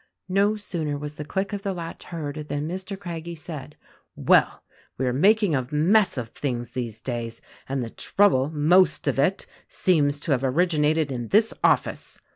No sooner was the click of the latch heard than Mr. Craggie said, "Well, we are making a mess of things these days; and the trouble, most of it, seems to have originated in this office."